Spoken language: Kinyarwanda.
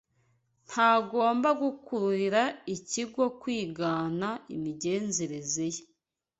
ntagomba gukururira ikigo kwigana imigenzereze ye